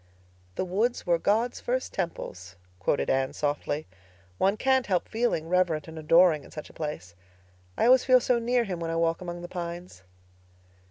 "'The woods were God's first temples,'" quoted Anne softly. "One can't help feeling reverent and adoring in such a place. I always feel so near Him when I walk among the pines."